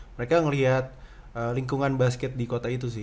mereka melihat lingkungan basket di kota itu sih